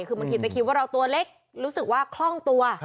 คือมันคิดจะขี้ว่าเราตัวเล็กรู้สึกว่าคล่องตัว